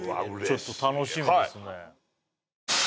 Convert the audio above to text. ちょっと楽しみですね